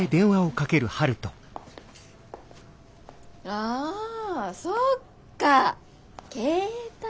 ああそっか携帯。